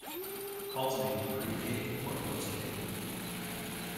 Calls may be prepaid or postpaid.